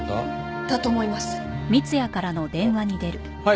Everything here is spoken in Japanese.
はい。